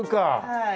はい。